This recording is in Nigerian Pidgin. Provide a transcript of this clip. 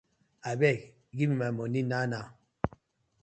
Abeg giv me my money now now.